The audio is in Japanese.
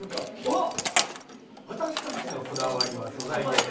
私たちのこだわりは、素材です。